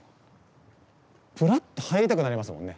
ぷらっと入りたくなりますもんね。